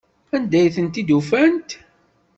Anda ay tent-id-ufant?